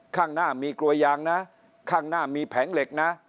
ข้างหน้ามีกลัวยางนะข้างหน้ามีแผงเหล็กนะ